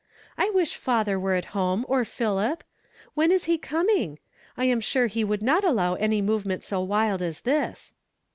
I wish father were at home or Philip. When is he coming? I am sure he Nwould not allow any movement so wild as this."